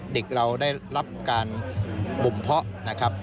เด็กเราได้รับการบมเพาะ